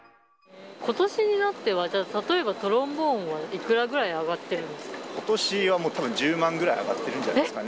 ことしになっては、じゃあ、例えばトロンボーンは、いくらぐらい上がってるんですか？